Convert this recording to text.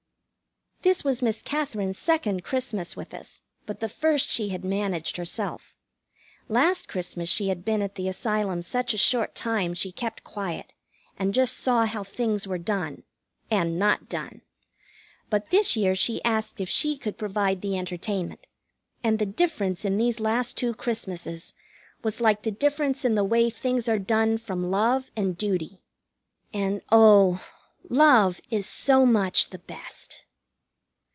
This was Miss Katherine's second Christmas with us, but the first she had managed herself. Last Christmas she had been at the Asylum such a short time she kept quiet, and just saw how things were done. And not done. But this year she asked if she could provide the entertainment, and the difference in these last two Christmases was like the difference in the way things are done from love and duty. And oh! love is so much the best!